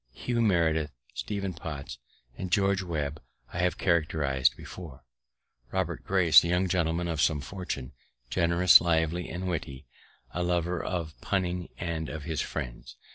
Hugh Meredith, Stephen Potts, and George Webb I have characteriz'd before. Robert Grace, a young gentleman of some fortune, generous, lively, and witty; a lover of punning and of his friends.